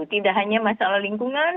tidak hanya masalah lingkungan